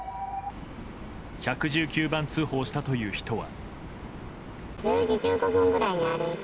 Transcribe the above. １１９番通報したという人は。